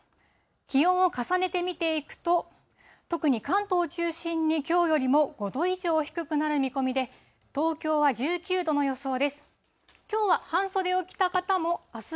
気温を重ねて見ていくと、特に関東中心にきょうよりも５度以上低くなる見込みで、東京は１９度の予想です。